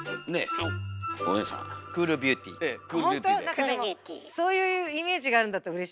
なんかでもそういうイメージがあるんだったらうれしい。